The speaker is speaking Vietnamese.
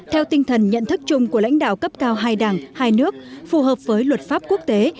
theo tinh thần nhận thức chung của lãnh đạo cấp cao hai đảng hai nước phù hợp với luật pháp quốc tế